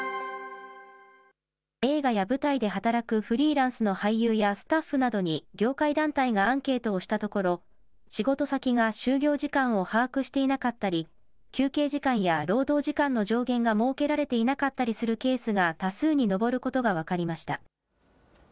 映画や舞台で働くフリーランスの俳優やスタッフなどに、業界団体がアンケートをしたところ、仕事先が就業時間を把握していなかったり、休憩時間や労働時間の上限が設けられていなかったりするケースが多数に上ることが分かりました。